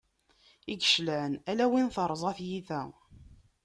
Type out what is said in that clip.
I icelɛan, ala win terza tyita.